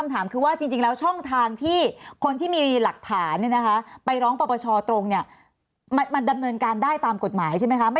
ถูกต้องครับ